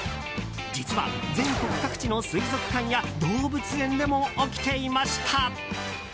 実は、全国各地の水族館や動物園でも起きていました。